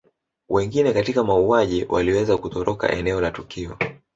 Wengine katika mauaji waliweza kutoroka eneo la tukio